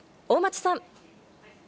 大町さん。